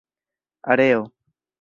areo